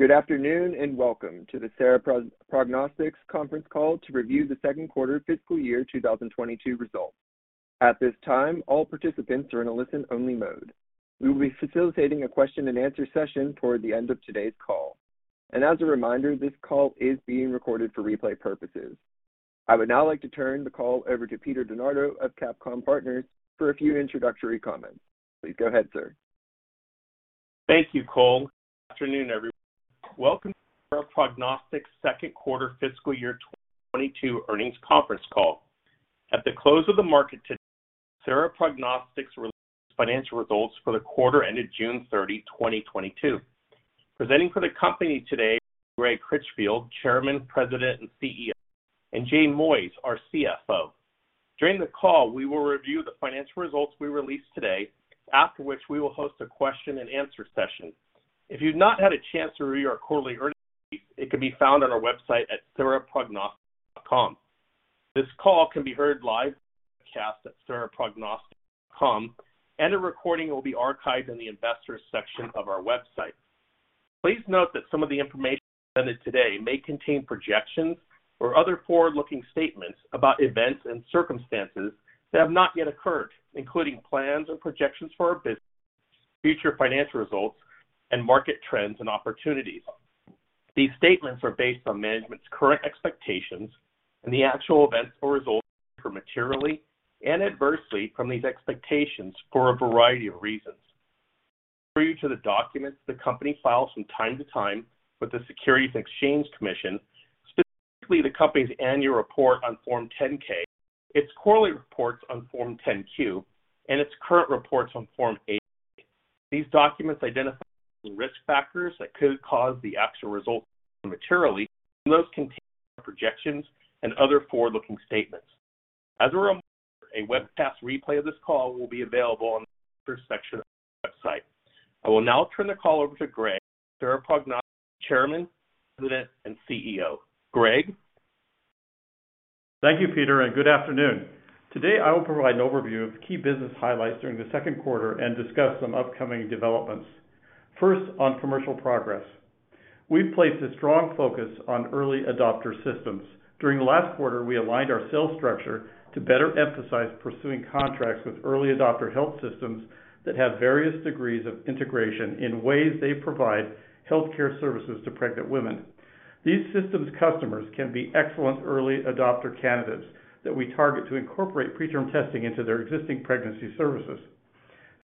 Good afternoon, and welcome to the Sera Prognostics conference call to review the second quarter fiscal year 2022 results. At this time, all participants are in a listen-only mode. We will be facilitating a question-and-answer session toward the end of today's call. As a reminder, this call is being recorded for replay purposes. I would now like to turn the call over to Peter DeNardo of CapComm Partners for a few introductory comments. Please go ahead, sir. Thank you, Cole. Good afternoon, everyone. Welcome to Sera Prognostics second quarter fiscal year 2022 earnings conference call. At the close of the market today, Sera Prognostics released its financial results for the quarter ended June 30, 2022. Presenting for the company today are Greg Critchfield, Chairman, President, and CEO, and Jay Moyes, our CFO. During the call, we will review the financial results we released today, after which we will host a question-and-answer session. If you've not had a chance to read our quarterly earnings brief, it can be found on our website at seraprognostics.com. This call can be heard live on the webcast at seraprognostics.com, and a recording will be archived in the investors section of our website. Please note that some of the information presented today may contain projections or other forward-looking statements about events and circumstances that have not yet occurred, including plans or projections for our business, future financial results, and market trends and opportunities. These statements are based on management's current expectations, and the actual events or results differ materially and adversely from these expectations for a variety of reasons. Refer to the documents the company files from time to time with the Securities and Exchange Commission, specifically the company's annual report on Form 10-K, its quarterly reports on Form 10-Q, and its current reports on Form 8-K. These documents identify certain risk factors that could cause the actual results to differ materially from those containing projections and other forward-looking statements. As a reminder, a webcast replay of this call will be available on the Investors section of our website. I will now turn the call over to Greg, Sera Prognostics Chairman, President, and CEO. Greg? Thank you, Peter, and good afternoon. Today, I will provide an overview of key business highlights during the second quarter and discuss some upcoming developments. First, on commercial progress. We've placed a strong focus on early adopter systems. During the last quarter, we aligned our sales structure to better emphasize pursuing contracts with early adopter health systems that have various degrees of integration in ways they provide healthcare services to pregnant women. These systems customers can be excellent early adopter candidates that we target to incorporate preterm testing into their existing pregnancy services.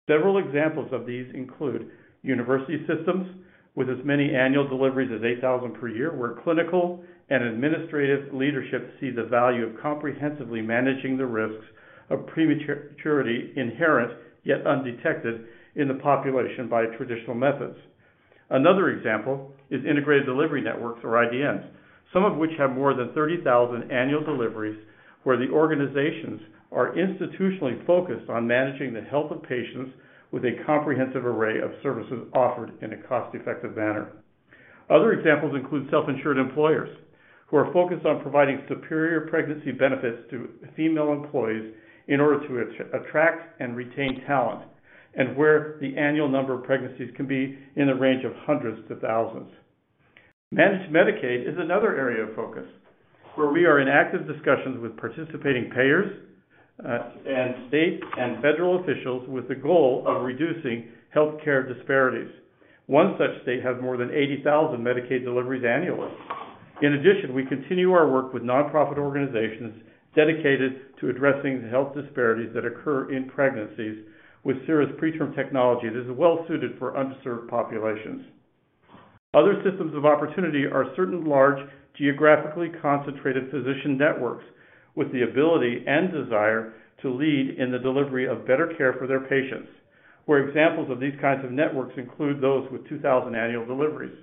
Several examples of these include university systems with as many annual deliveries as 8,000 per year, where clinical and administrative leadership see the value of comprehensively managing the risks of prematurity inherent yet undetected in the population by traditional methods. Another example is integrated delivery networks or IDNs, some of which have more than 30,000 annual deliveries where the organizations are institutionally focused on managing the health of patients with a comprehensive array of services offered in a cost-effective manner. Other examples include self-insured employers who are focused on providing superior pregnancy benefits to female employees in order to attract and retain talent, and where the annual number of pregnancies can be in the range of hundreds to thousands. Managed Medicaid is another area of focus, where we are in active discussions with participating payers, and state and federal officials with the goal of reducing healthcare disparities. One such state has more than 80,000 Medicaid deliveries annually. In addition, we continue our work with nonprofit organizations dedicated to addressing the health disparities that occur in pregnancies with Sera's preterm technology that is well suited for underserved populations. Other systems of opportunity are certain large, geographically concentrated physician networks with the ability and desire to lead in the delivery of better care for their patients, where examples of these kinds of networks include those with 2,000 annual deliveries.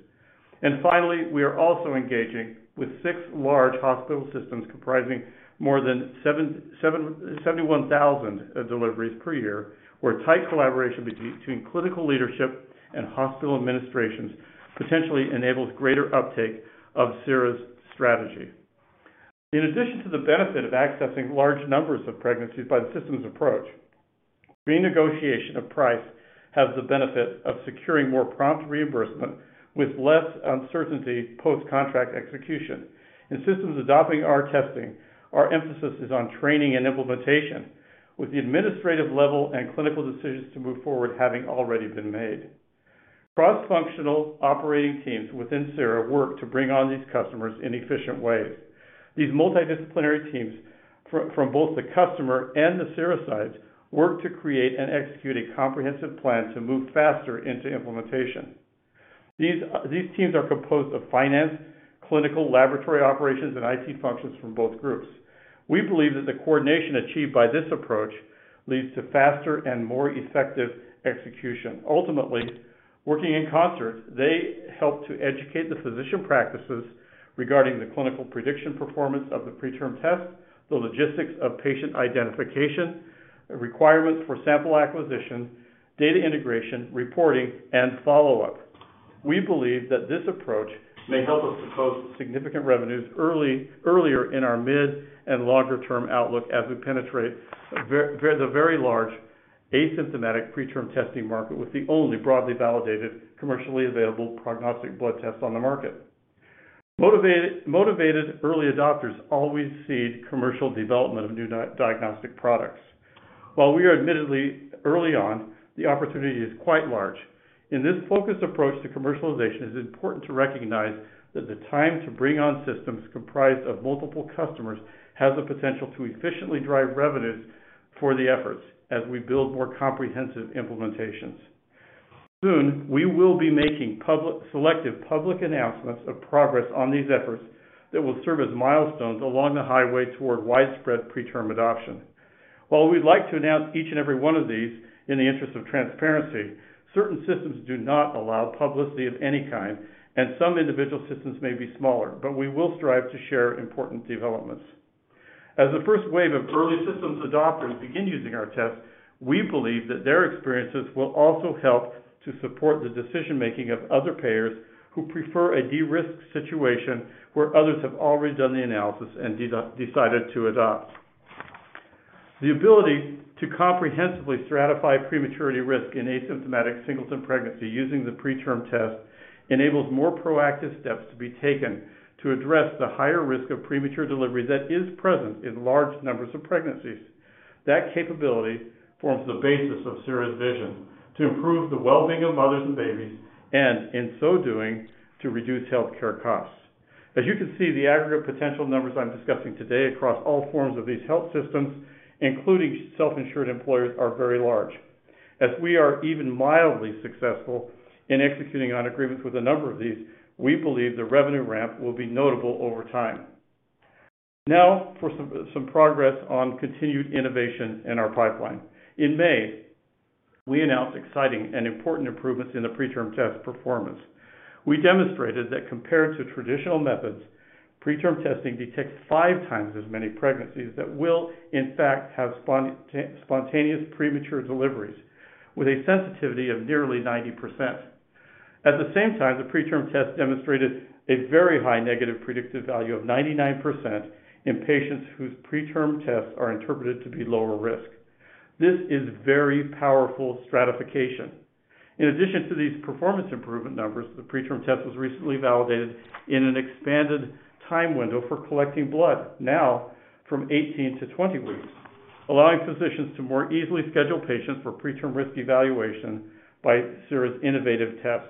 Finally, we are also engaging with six large hospital systems comprising more than 771,000 deliveries per year, where tight collaboration between clinical leadership and hospital administrations potentially enables greater uptake of Sera's strategy. In addition to the benefit of accessing large numbers of pregnancies by the systems approach, renegotiation of price has the benefit of securing more prompt reimbursement with less uncertainty post-contract execution. In systems adopting our testing, our emphasis is on training and implementation, with the administrative level and clinical decisions to move forward having already been made. Cross-functional operating teams within Sera work to bring on these customers in efficient ways. These multidisciplinary teams from both the customer and the Sera sides work to create and execute a comprehensive plan to move faster into implementation. These teams are composed of finance, clinical laboratory operations, and IT functions from both groups. We believe that the coordination achieved by this approach leads to faster and more effective execution. Ultimately, working in concert, they help to educate the physician practices regarding the clinical prediction performance of the PreTRM Test, the logistics of patient identification, requirements for sample acquisition, data integration, reporting, and follow-up. We believe that this approach may help us to post significant revenues early, earlier in our mid and longer term outlook as we penetrate the very large asymptomatic preterm testing market with the only broadly validated commercially available prognostic blood tests on the market. Motivated early adopters always seed commercial development of new diagnostic products. While we are admittedly early on, the opportunity is quite large. In this focused approach to commercialization, it's important to recognize that the time to bring on systems comprised of multiple customers has the potential to efficiently drive revenues for the efforts as we build more comprehensive implementations. Soon, we will be making public, selective public announcements of progress on these efforts that will serve as milestones along the highway toward widespread preterm adoption. While we'd like to announce each and every one of these in the interest of transparency, certain systems do not allow publicity of any kind, and some individual systems may be smaller, but we will strive to share important developments. As the first wave of early systems adopters begin using our tests, we believe that their experiences will also help to support the decision-making of other payers who prefer a de-risked situation where others have already done the analysis and decided to adopt. The ability to comprehensively stratify prematurity risk in asymptomatic singleton pregnancy using the PreTRM Test enables more proactive steps to be taken to address the higher risk of premature delivery that is present in large numbers of pregnancies. That capability forms the basis of Sera's vision to improve the well-being of mothers and babies and, in so doing, to reduce healthcare costs. As you can see, the aggregate potential numbers I'm discussing today across all forms of these health systems, including self-insured employers, are very large. As we are even mildly successful in executing on agreements with a number of these, we believe the revenue ramp will be notable over time. Now for some progress on continued innovation in our pipeline. In May, we announced exciting and important improvements in the PreTRM Test performance. We demonstrated that compared to traditional methods, preterm testing detects five times as many pregnancies that will in fact have spontaneous premature deliveries with a sensitivity of nearly 90%. At the same time, the PreTRM Test demonstrated a very high negative predictive value of 99% in patients whose preterm tests are interpreted to be lower risk. This is very powerful stratification. In addition to these performance improvement numbers, the PreTRM Test was recently validated in an expanded time window for collecting blood, now from 18 to 20 weeks, allowing physicians to more easily schedule patients for preterm risk evaluation by Sera's innovative test.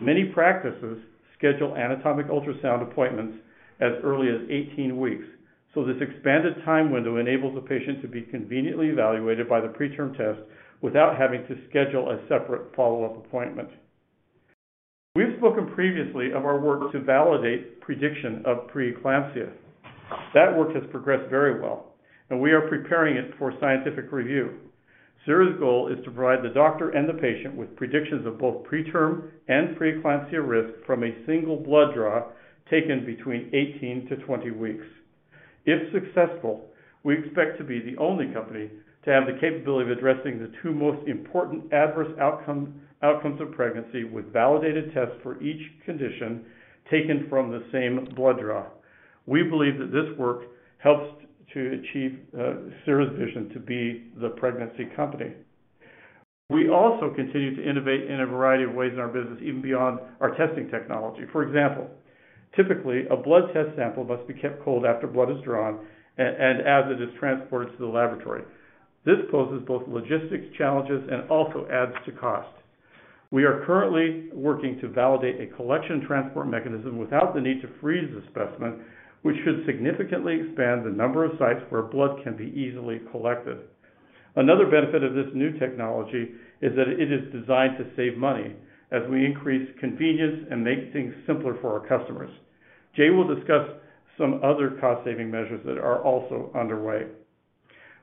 Many practices schedule anatomic ultrasound appointments as early as 18 weeks, so this expanded time window enables a patient to be conveniently evaluated by the PreTRM Test without having to schedule a separate follow-up appointment. We've spoken previously of our work to validate prediction of preeclampsia. That work has progressed very well, and we are preparing it for scientific review. Sera's goal is to provide the doctor and the patient with predictions of both preterm and preeclampsia risk from a single blood draw taken between 18 to 20 weeks. If successful, we expect to be the only company to have the capability of addressing the two most important adverse outcomes of pregnancy with validated tests for each condition taken from the same blood draw. We believe that this work helps to achieve Sera's vision to be the pregnancy company. We also continue to innovate in a variety of ways in our business, even beyond our testing technology. For example, typically, a blood test sample must be kept cold after blood is drawn and as it is transported to the laboratory. This poses both logistics challenges and also adds to cost. We are currently working to validate a collection transport mechanism without the need to freeze the specimen, which should significantly expand the number of sites where blood can be easily collected. Another benefit of this new technology is that it is designed to save money as we increase convenience and make things simpler for our customers. Jay will discuss some other cost-saving measures that are also underway.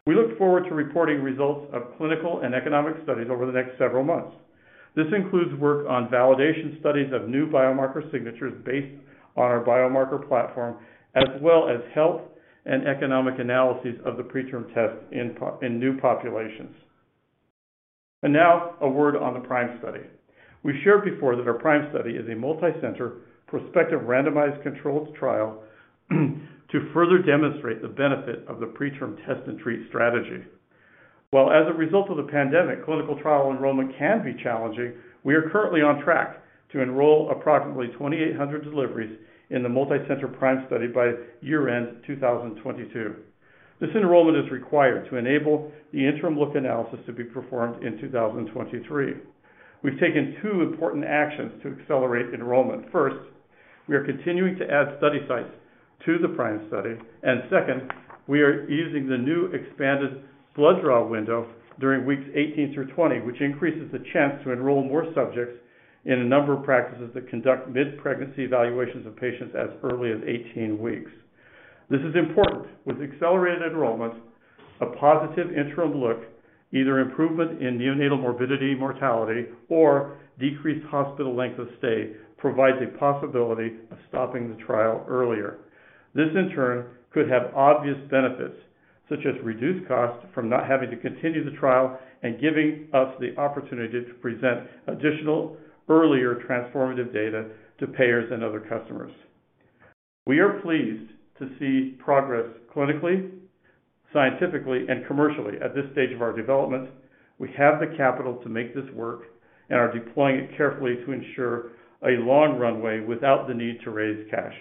We look forward to reporting results of clinical and economic studies over the next several months. This includes work on validation studies of new biomarker signatures based on our biomarker platform, as well as health and economic analyses of the PreTRM Test in new populations. Now a word on the PRIME study. We've shared before that our PRIME study is a multicenter prospective randomized controlled trial to further demonstrate the benefit of the PreTRM Test and treat strategy. While as a result of the pandemic, clinical trial enrollment can be challenging, we are currently on track to enroll approximately 2,800 deliveries in the multicenter PRIME study by year-end 2022. This enrollment is required to enable the interim look analysis to be performed in 2023. We've taken two important actions to accelerate enrollment. First, we are continuing to add study sites to the PRIME study. Second, we are using the new expanded blood draw window during weeks 18 through 20, which increases the chance to enroll more subjects in a number of practices that conduct midpregnancy evaluations of patients as early as 18 weeks. This is important. With accelerated enrollments, a positive interim look, either improvement in neonatal morbidity, mortality, or decreased hospital length of stay provides a possibility of stopping the trial earlier. This, in turn, could have obvious benefits. Such as reduced costs from not having to continue the trial and giving us the opportunity to present additional earlier transformative data to payers and other customers. We are pleased to see progress clinically, scientifically, and commercially at this stage of our development. We have the capital to make this work and are deploying it carefully to ensure a long runway without the need to raise cash.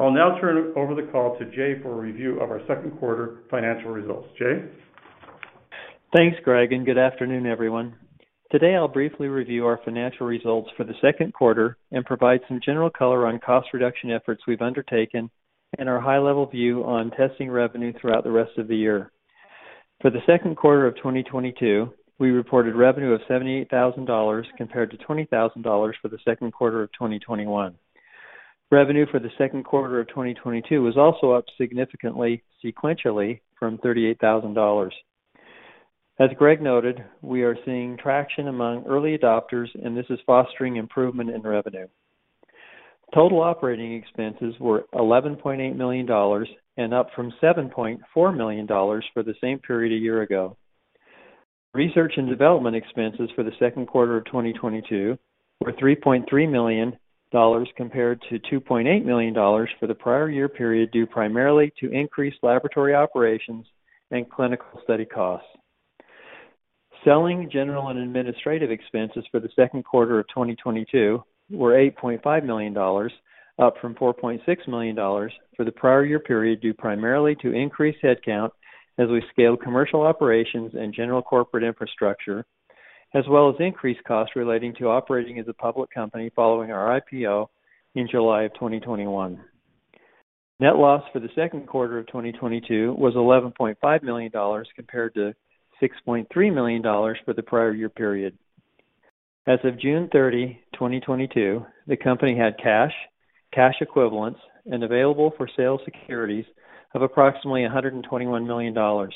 I'll now turn over the call to Jay for a review of our second quarter financial results. Jay? Thanks, Greg, and good afternoon, everyone. Today, I'll briefly review our financial results for the second quarter and provide some general color on cost reduction efforts we've undertaken and our high-level view on testing revenue throughout the rest of the year. For the second quarter of 2022, we reported revenue of $78 thousand compared to $20 thousand for the second quarter of 2021. Revenue for the second quarter of 2022 was also up significantly sequentially from $38 thousand. As Greg noted, we are seeing traction among early adopters, and this is fostering improvement in revenue. Total operating expenses were $11.8 million and up from $7.4 million for the same period a year ago. Research and development expenses for the second quarter of 2022 were $3.3 million compared to $2.8 million for the prior year period, due primarily to increased laboratory operations and clinical study costs. Selling, general and administrative expenses for the second quarter of 2022 were $8.5 million, up from $4.6 million for the prior year period, due primarily to increased headcount as we scale commercial operations and general corporate infrastructure, as well as increased costs relating to operating as a public company following our IPO in July of 2021. Net loss for the second quarter of 2022 was $11.5 million compared to $6.3 million for the prior year period. As of June 30, 2022, the company had cash equivalents, and available for sale securities of approximately $121 million. On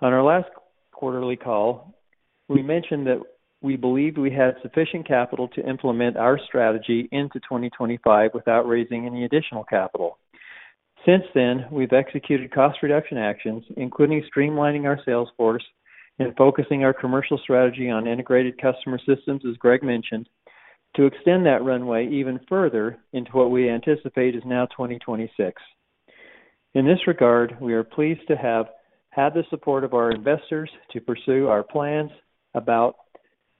our last quarterly call, we mentioned that we believed we had sufficient capital to implement our strategy into 2025 without raising any additional capital. Since then, we've executed cost reduction actions, including streamlining our sales force and focusing our commercial strategy on integrated customer systems, as Greg mentioned, to extend that runway even further into what we anticipate is now 2026. In this regard, we are pleased to have had the support of our investors to pursue our plans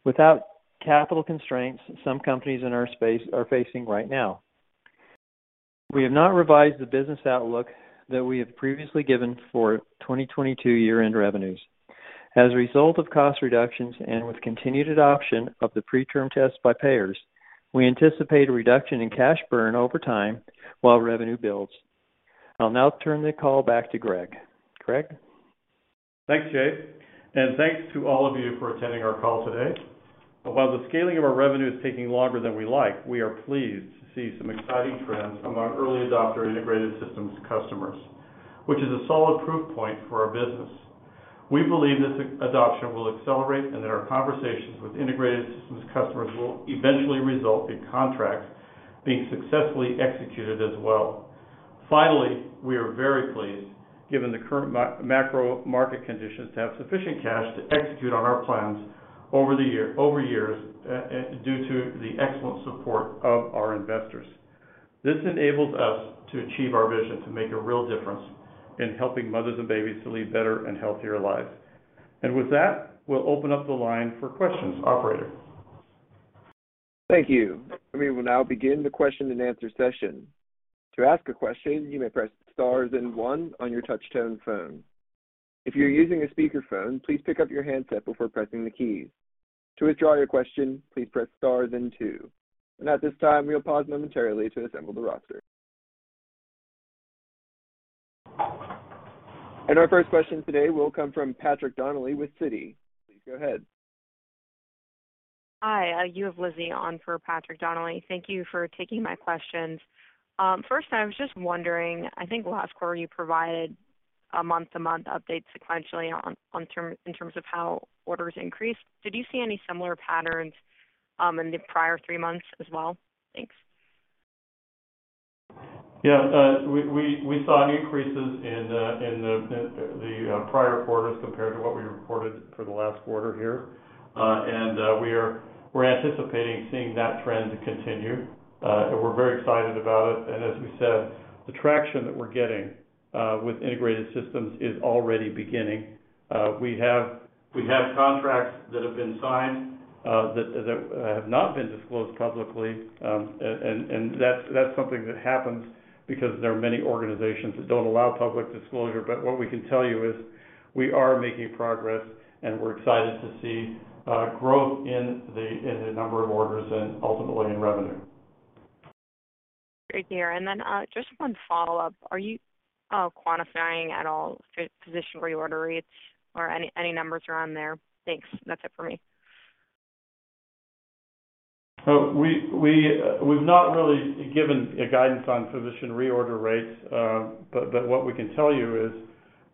without capital constraints some companies in our space are facing right now. We have not revised the business outlook that we have previously given for 2022 year-end revenues. As a result of cost reductions and with continued adoption of the PreTRM Test by payers, we anticipate a reduction in cash burn over time while revenue builds. I'll now turn the call back to Greg. Greg? Thanks, Jay, and thanks to all of you for attending our call today. While the scaling of our revenue is taking longer than we like, we are pleased to see some exciting trends from our early adopter integrated systems customers, which is a solid proof point for our business. We believe this adoption will accelerate, and that our conversations with integrated systems customers will eventually result in contracts being successfully executed as well. Finally, we are very pleased, given the current macro market conditions, to have sufficient cash to execute on our plans over years, due to the excellent support of our investors. This enables us to achieve our vision to make a real difference in helping mothers and babies to lead better and healthier lives. With that, we'll open up the line for questions. Operator? Thank you. We will now begin the question-and-answer session. To ask a question, you may press star then one on your touch-tone phone. If you're using a speakerphone, please pick up your handset before pressing the keys. To withdraw your question, please press star then two. At this time, we'll pause momentarily to assemble the roster. Our first question today will come from Patrick Donnelly with Citi. Please go ahead. Hi. You have Lizzie on for Patrick Donnelly. Thank you for taking my questions. First I was just wondering, I think last quarter you provided a month-to-month update sequentially in terms of how orders increased. Did you see any similar patterns in the prior three months as well? Thanks. We saw increases in the prior quarters compared to what we reported for the last quarter here. We are anticipating seeing that trend continue. We're very excited about it. As we said, the traction that we're getting with integrated systems is already beginning. We have contracts that have been signed that have not been disclosed publicly. That's something that happens because there are many organizations that don't allow public disclosure. What we can tell you is we are making progress, and we're excited to see growth in the number of orders and ultimately in revenue. Great to hear. Just one follow-up. Are you quantifying at all physician reorder rates or any numbers around there? Thanks. That's it for me. Well, we've not really given a guidance on physician reorder rates. What we can tell you is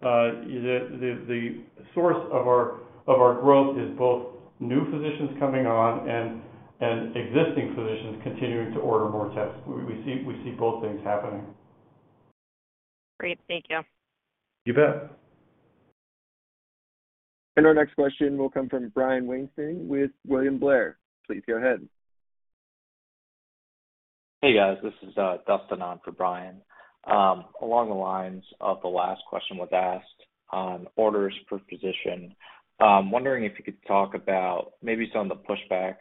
the source of our growth is both new physicians coming on and existing physicians continuing to order more tests. We see both things happening. Great. Thank you. You bet. Our next question will come from Brian Weinstein with William Blair. Please go ahead. Hey, guys. This is Dustin on for Brian. Along the lines of the last question was asked on orders per physician, wondering if you could talk about maybe some of the pushback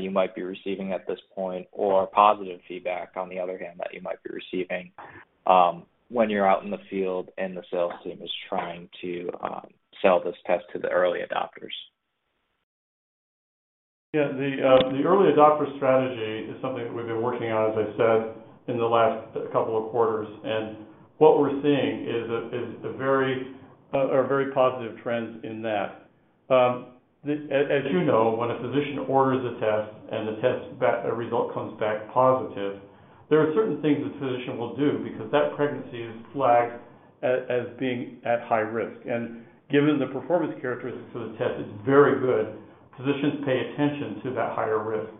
you might be receiving at this point, or positive feedback, on the other hand, that you might be receiving, when you're out in the field and the sales team is trying to sell this test to the early adopters? Yeah. The early adopter strategy is something that we've been working on, as I said, in the last couple of quarters. What we're seeing is a very positive trends in that. As you know, when a physician orders a test and a result comes back positive, there are certain things a physician will do because that pregnancy is flagged as being at high risk. Given the performance characteristics of the test, it's very good, physicians pay attention to that higher risk.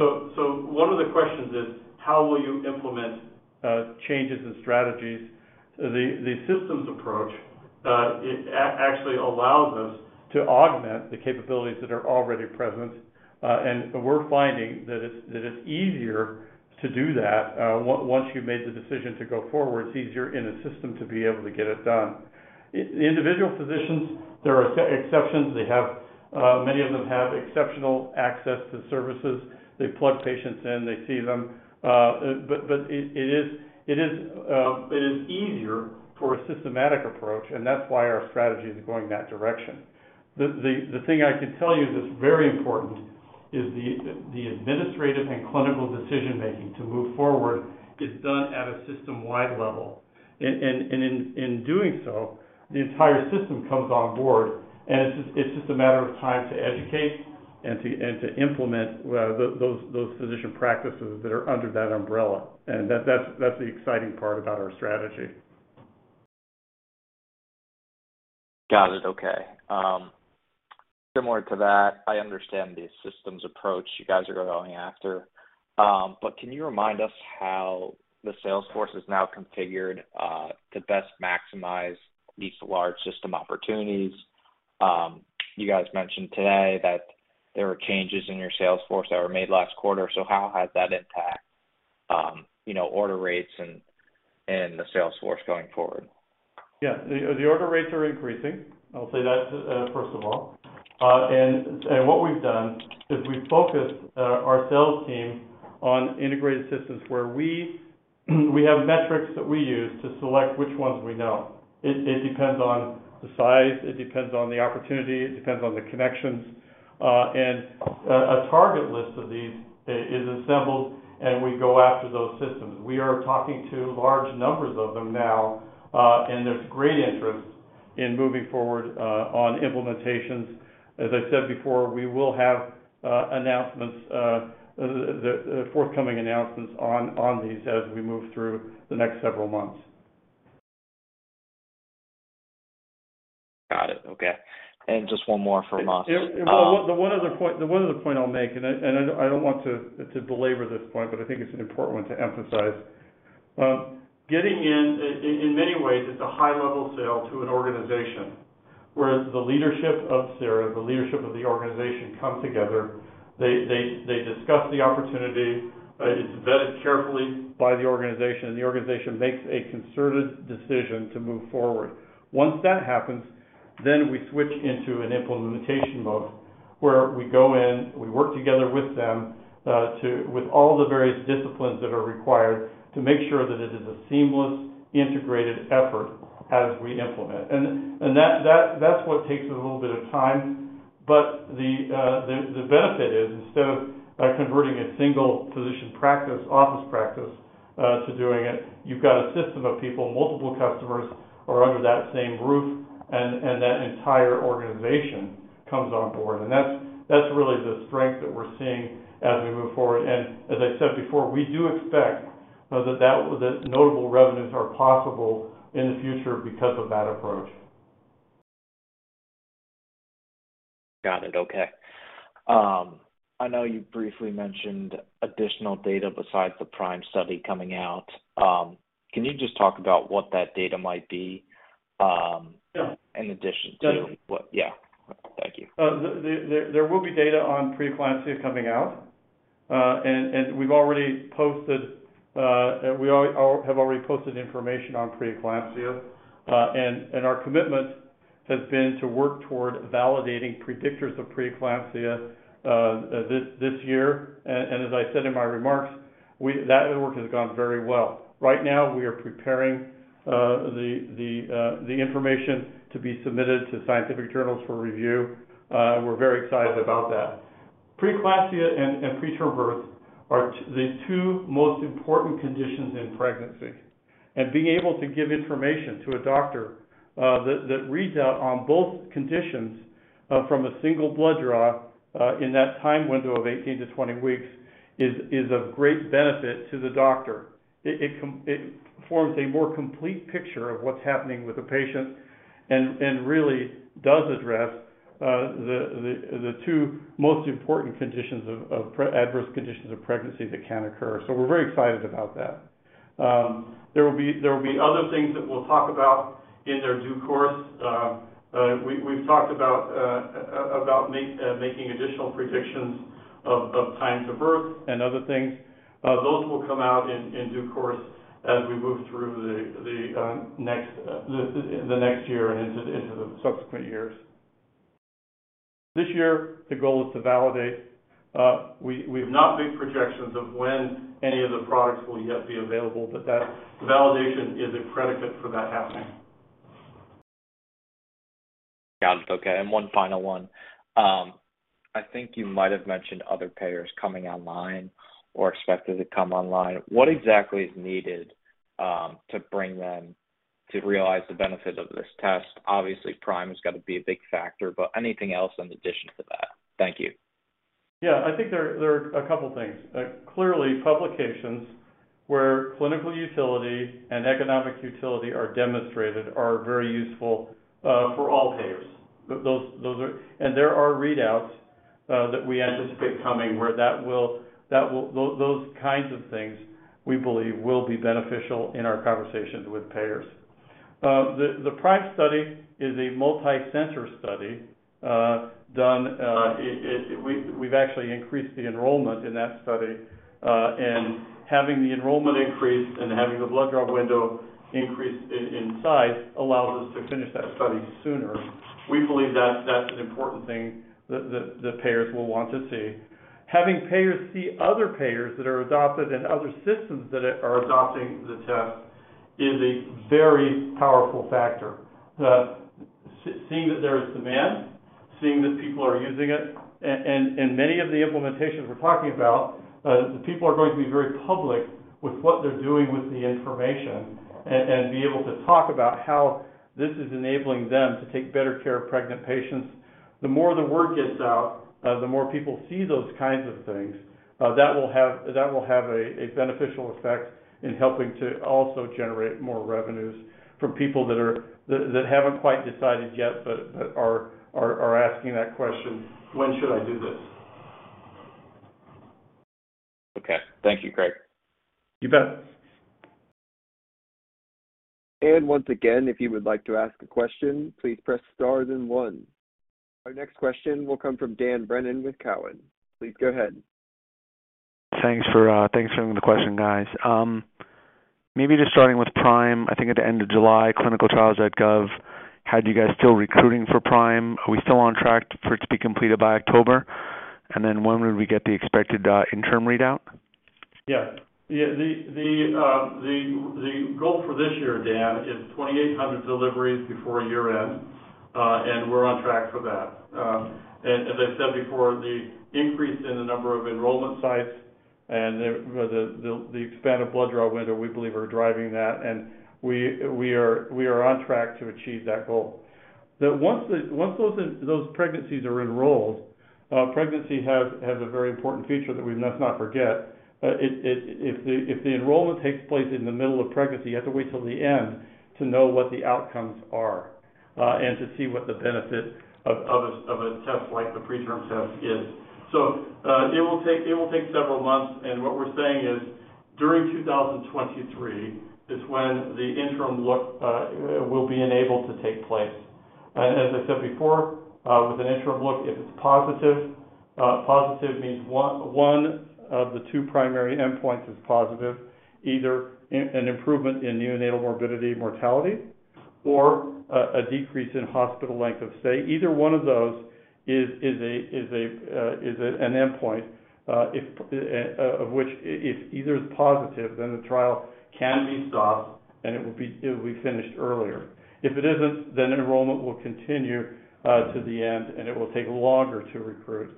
One of the questions is, how will you implement changes in strategies? The systems approach actually allows us to augment the capabilities that are already present, and we're finding that it's easier to do that once you've made the decision to go forward. It's easier in a system to be able to get it done. Individual physicians, there are exceptions. They have many of them have exceptional access to services. They plug patients in, they see them, but it is easier for a systematic approach, and that's why our strategy is going that direction. The thing I can tell you that's very important is the administrative and clinical decision-making to move forward is done at a system-wide level. In doing so, the entire system comes on board, and it's just a matter of time to educate and to implement those physician practices that are under that umbrella. That's the exciting part about our strategy. Got it. Okay. Similar to that, I understand the systems approach you guys are going after, but can you remind us how the sales force is now configured, to best maximize these large system opportunities? You guys mentioned today that there were changes in your sales force that were made last quarter, so how has that impacted, you know, order rates and the sales force going forward? Yeah. The order rates are increasing. I'll say that first of all. What we've done is we've focused our sales team on integrated systems where we have metrics that we use to select which ones we know. It depends on the size, it depends on the opportunity, it depends on the connections, and a target list of these is assembled, and we go after those systems. We are talking to large numbers of them now, and there's great interest in moving forward on implementations. As I said before, we will have announcements, the forthcoming announcements on these as we move through the next several months. Got it. Okay. Just one more from us. Well, the one other point I'll make, and I don't want to belabor this point, but I think it's an important one to emphasize. In many ways, it's a high-level sale to an organization. Whereas the leadership of Sera come together, they discuss the opportunity, it's vetted carefully by the organization, and the organization makes a concerted decision to move forward. Once that happens, we switch into an implementation mode where we go in, we work together with them with all the various disciplines that are required to make sure that it is a seamless, integrated effort as we implement. That's what takes a little bit of time. The benefit is instead of converting a single physician practice, office practice, to doing it, you've got a system of people, multiple customers are under that same roof and that entire organization comes on board. That's really the strength that we're seeing as we move forward. As I said before, we do expect that notable revenues are possible in the future because of that approach. Got it. Okay. I know you briefly mentioned additional data besides the PRIME study coming out. Can you just talk about what that data might be? Yeah. In addition to what- Definitely. -yeah. Thank you. There will be data on preeclampsia coming out. We've already posted information on preeclampsia. Our commitment has been to work toward validating predictors of preeclampsia this year. As I said in my remarks, that work has gone very well. Right now we are preparing the information to be submitted to scientific journals for review, and we're very excited about that. Preeclampsia and preterm birth are the two most important conditions in pregnancy. Being able to give information to a doctor that reads out on both conditions from a single blood draw in that time window of 18-20 weeks is of great benefit to the doctor. It com- It forms a more complete picture of what's happening with the patient and really does address the two most important adverse conditions of pregnancy that can occur. We're very excited about that. There will be other things that we'll talk about in due course. We've talked about making additional predictions of time to birth and other things. Those will come out in due course as we move through the next year and into the subsequent years. This year, the goal is to validate. We have not made projections of when any of the products will yet be available, but that validation is a predicate for that happening. Got it. Okay. One final one. I think you might have mentioned other payers coming online or expected to come online. What exactly is needed to bring them to realize the benefit of this test? Obviously, PRIME has got to be a big factor, but anything else in addition to that? Thank you. Yeah. I think there are a couple things. Clearly, publications where clinical utility and economic utility are demonstrated are very useful for all payers. Those are. There are readouts that we anticipate coming where that will those kinds of things, we believe, will be beneficial in our conversations with payers. The PRIME study is a multi-center study. We've actually increased the enrollment in that study, and having the enrollment increased and having the blood draw window increased in size allows us to finish that study sooner. We believe that's an important thing that payers will want to see. Having payers see other payers that are adopted and other systems that are adopting the test is a very powerful factor. Seeing that there is demand, seeing that people are using it, and many of the implementations we're talking about, the people are going to be very public with what they're doing with the information and be able to talk about how this is enabling them to take better care of pregnant patients. The more the word gets out, the more people see those kinds of things, that will have a beneficial effect in helping to also generate more revenues from people that haven't quite decided yet, but are asking that question, "When should I do this? Okay. Thank you, Greg. You bet. Once again, if you would like to ask a question, please press Star then one. Our next question will come from Dan Brennan with Cowen. Please go ahead. Thanks for taking the question, guys. Maybe just starting with PRIME. I think at the end of July, ClinicalTrials.gov had you guys still recruiting for PRIME. Are we still on track for it to be completed by October? When would we get the expected interim readout? Yeah. The goal for this year, Dan, is 2,800 deliveries before year-end, and we're on track for that. As I said before, the increase in the number of enrollment sites and the expanded blood draw window, we believe are driving that, and we are on track to achieve that goal. Once those pregnancies are enrolled, pregnancy has a very important feature that we must not forget. If the enrollment takes place in the middle of pregnancy, you have to wait till the end to know what the outcomes are, and to see what the benefit of a test like the PreTRM Test is. It will take several months, and what we're saying is during 2023 is when the interim look will be enabled to take place. As I said before, with an interim look, if it's positive means one of the two primary endpoints is positive, either an improvement in neonatal morbidity, mortality, or a decrease in hospital length of stay. Either one of those is an endpoint, of which if either is positive, then the trial can be stopped, and it will be finished earlier. If it isn't, then enrollment will continue to the end, and it will take longer to recruit.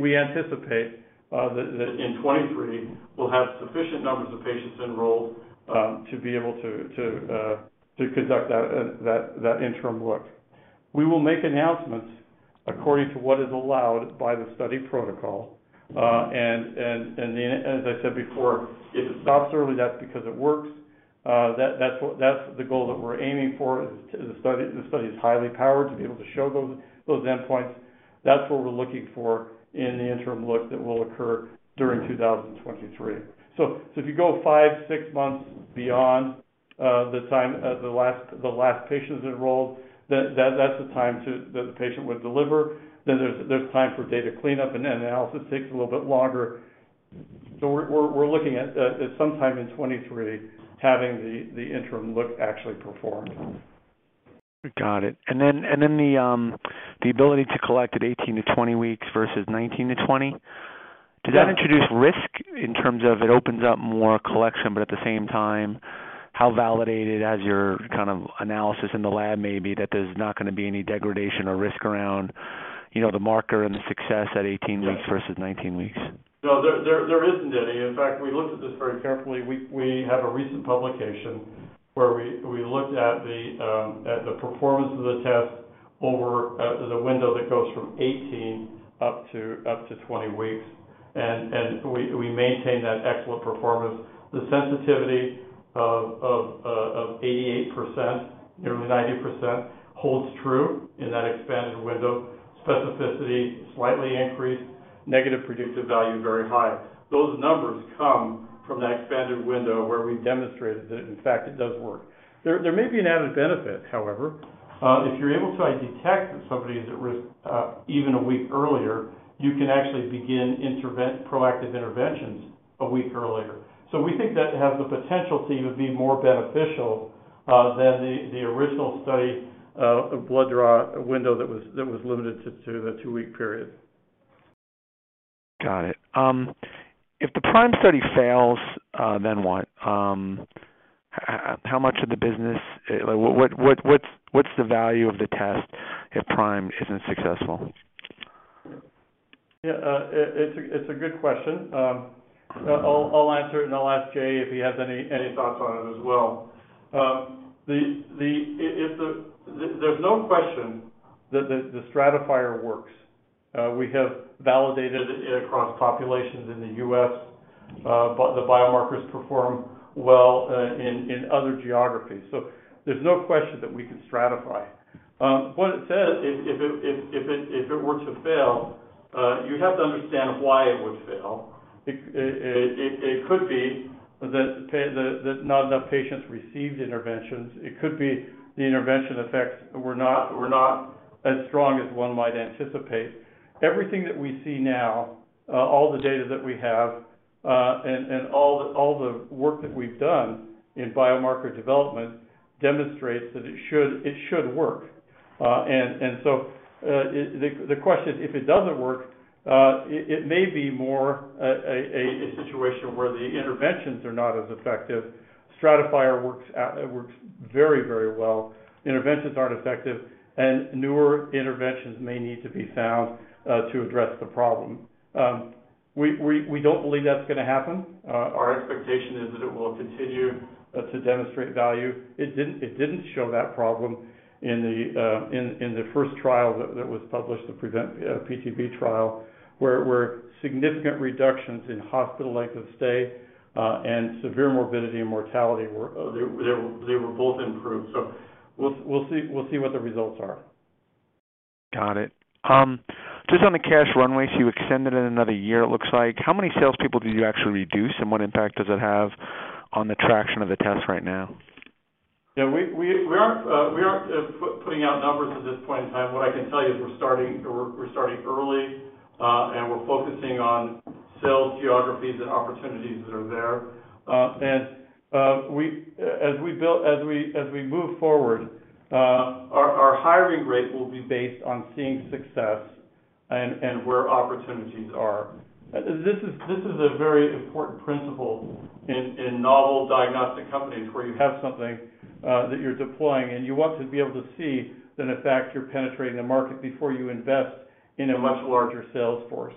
We anticipate that in 2023, we'll have sufficient numbers of patients enrolled to be able to conduct that interim look. We will make announcements according to what is allowed by the study protocol. Then as I said before, if it stops early, that's because it works. That's what that's the goal that we're aiming for is the study is highly powered to be able to show those endpoints. That's what we're looking for in the interim look that will occur during 2023. If you go 5, 6 months beyond the time of the last patients enrolled, then that's the time the patient would deliver. Then there's time for data cleanup, and then the analysis takes a little bit longer. We're looking at sometime in 2023 having the interim look actually performed. Got it. The ability to collect at 18-20 weeks versus 19-20. Yeah. Does that introduce risk in terms of it opens up more collection, but at the same time, how validated is your kind of analysis in the lab may be that there's not gonna be any degradation or risk around, you know, the marker and the success at 18 weeks versus 19 weeks? No. There isn't any. In fact, we looked at this very carefully. We have a recent publication where we looked at the performance of the test over the window that goes from 18 up to 20 weeks. We maintain that excellent performance. The sensitivity of 88%, nearly 90% holds true in that expanded window. Specificity slightly increased. Negative predictive value, very high. Those numbers come from that expanded window where we've demonstrated that in fact it does work. There may be an added benefit, however. If you're able to detect that somebody is at risk, even a week earlier, you can actually begin proactive interventions a week earlier. We think that has the potential to even be more beneficial than the original study of blood draw window that was limited to the two-week period. Got it. If the PRIME study fails, then what? How much of the business? Like, what's the value of the test if PRIME isn't successful? Yeah. It's a good question. I'll answer it, and I'll ask Jay if he has any thoughts on it as well. There's no question that the Stratifier works. We have validated it across populations in the U.S., but the biomarkers perform well in other geographies. There's no question that we can stratify. What it says if it were to fail, you'd have to understand why it would fail. It could be that not enough patients received interventions. It could be the intervention effects were not as strong as one might anticipate. Everything that we see now, all the data that we have, and all the work that we've done in biomarker development demonstrates that it should work. The question, if it doesn't work, it may be more of a situation where the interventions are not as effective. The stratifier works very, very well. Interventions aren't effective, and newer interventions may need to be found to address the problem. We don't believe that's gonna happen. Our expectation is that it will continue to demonstrate value. It didn't show that problem in the first trial that was published, the PREVENT-PTB trial, where significant reductions in hospital length of stay and severe morbidity and mortality were. They were both improved. We'll see what the results are. Got it. Just on the cash runway, so you extended it another year it looks like. How many sales people did you actually reduce, and what impact does it have on the traction of the test right now? Yeah. We aren't putting out numbers at this point in time. What I can tell you is we're starting early, and we're focusing on sales geographies and opportunities that are there. As we move forward, our hiring rate will be based on seeing success and where opportunities are. This is a very important principle in novel diagnostic companies where you have something that you're deploying and you want to be able to see that in fact you're penetrating the market before you invest in a much larger sales force.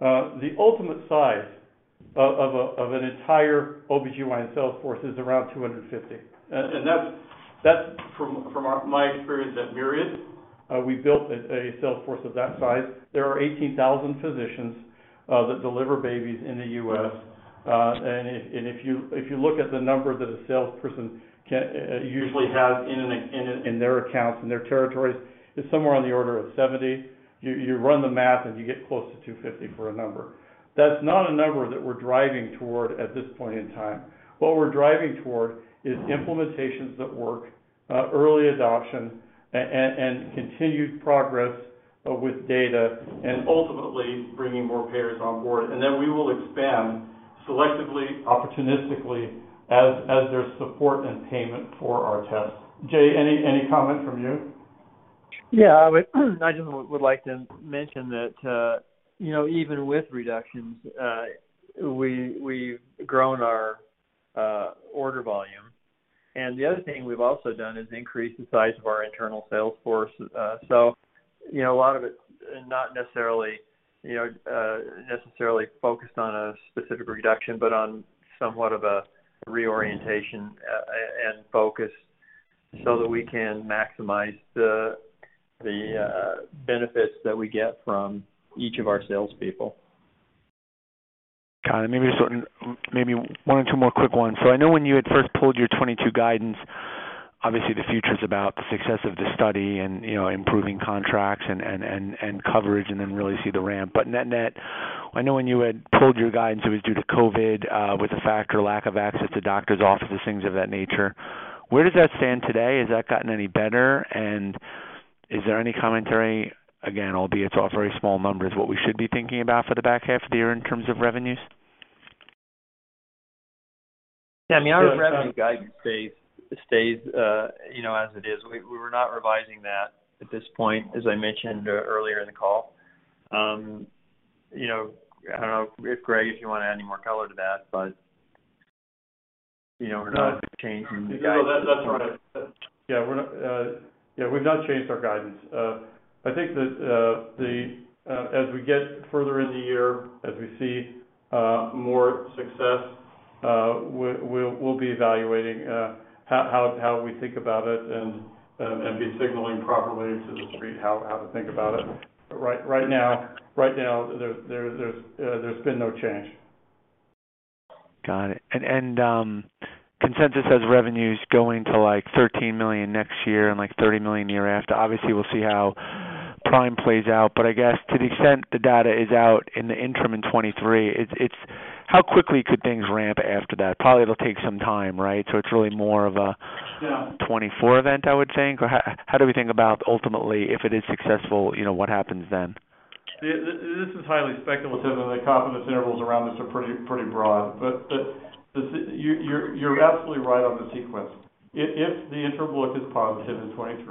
The ultimate size of an entire OBGYN sales force is around 250. That's from my experience at Myriad. We built a sales force of that size. There are 18,000 physicians that deliver babies in the U.S. If you look at the number that a salesperson usually has in their accounts, in their territories, it's somewhere on the order of 70. You run the math and you get close to 250 for a number. That's not a number that we're driving toward at this point in time. What we're driving toward is implementations that work, early adoption, and continued progress with data and ultimately bringing more payers on board. We will expand selectively, opportunistically as there's support and payment for our tests. Jay, any comment from you? Yeah. I would just like to mention that, you know, even with reductions, we've grown our order volume. The other thing we've also done is increase the size of our internal sales force. You know, a lot of it not necessarily focused on a specific reduction but on somewhat of a reorientation and focus so that we can maximize the benefits that we get from each of our salespeople. Got it. Maybe just one or two more quick ones. I know when you had first pulled your 2022 guidance, obviously the future's about the success of the study and, you know, improving contracts and coverage and then really see the ramp. Net-net, I know when you had pulled your guidance, it was due to COVID with the lack of access to doctor's offices, things of that nature. Where does that stand today? Has that gotten any better? And is there any commentary, again, albeit it's all very small numbers, what we should be thinking about for the back half of the year in terms of revenues? Yeah. I mean, our revenue guidance stays, you know, as it is. We're not revising that at this point, as I mentioned earlier in the call. You know, I don't know, Greg, if you wanna add any more color to that, but, you know, we're not changing the guidance. That's right. Yeah, we've not changed our guidance. I think that as we get further in the year, as we see more success, we'll be evaluating how we think about it and be signaling properly to the street how to think about it. But right now, there's been no change. Got it. Consensus says revenues going to like $13 million next year and like $30 million year after. Obviously, we'll see how Prime plays out. I guess to the extent the data is out in the interim in 2023, it's how quickly could things ramp after that. Probably it'll take some time, right? It's really more of a Yeah. 2024 event, I would think. How do we think about ultimately, if it is successful, you know, what happens then? This is highly speculative, and the confidence intervals around this are pretty broad. You're absolutely right on the sequence. If the interim look is positive in 2023,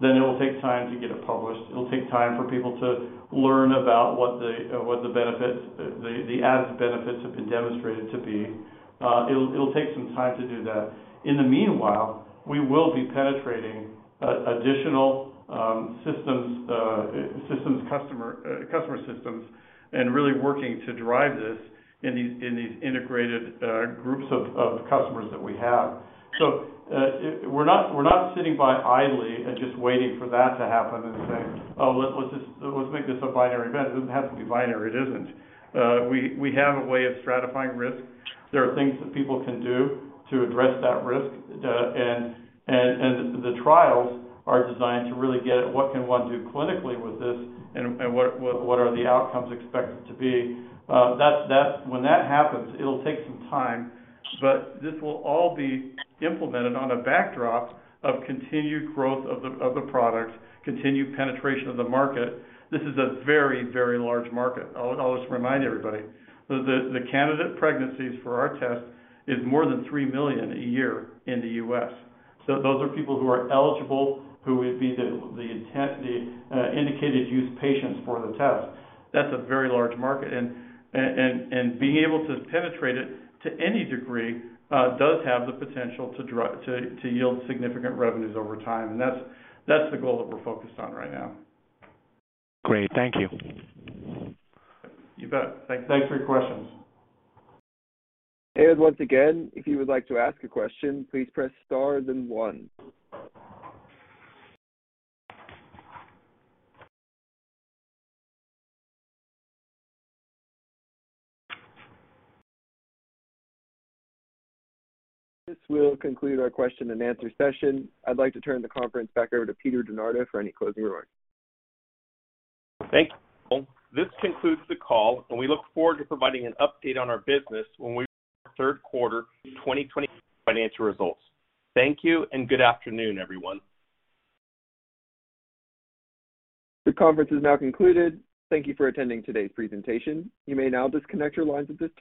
then it will take time to get it published. It'll take time for people to learn about what the benefits, the added benefits have been demonstrated to be. It'll take some time to do that. In the meanwhile, we will be penetrating additional systems, customer systems and really working to drive this in these integrated groups of customers that we have. We're not sitting by idly and just waiting for that to happen and saying, "Oh, let's just make this a binary event." It doesn't have to be binary. It isn't. We have a way of stratifying risk. There are things that people can do to address that risk. The trials are designed to really get at what can one do clinically with this and what are the outcomes expected to be. When that happens, it'll take some time. But this will all be implemented on a backdrop of continued growth of the product, continued penetration of the market. This is a very, very large market. I'll just remind everybody. The candidate pregnancies for our test is more than 3 million a year in the U.S. So those are people who are eligible, who would be the indicated use patients for the test. That's a very large market. Being able to penetrate it to any degree does have the potential to yield significant revenues over time. That's the goal that we're focused on right now. Great. Thank you. You bet. Thanks. Thanks for your questions. Once again, if you would like to ask a question, please press star then one. This will conclude our question and answer session. I'd like to turn the conference back over to Peter DeNardo for any closing remarks. Thank you. This concludes the call, and we look forward to providing an update on our business when we report our third quarter 2022 financial results. Thank you and good afternoon, everyone. The conference is now concluded. Thank you for attending today's presentation. You may now disconnect your lines at this time.